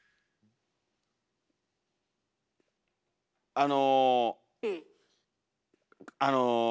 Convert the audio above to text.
あの。